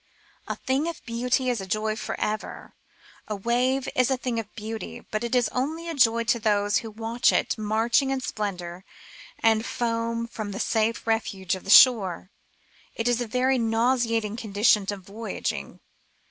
" A thing of beauty is a joy for ever." A wave is a thing of beauty, but it is only a joy to those who watch it marching in splendour and foam from the safe refuge of the shore. It is a very nauseating condition of voyaging.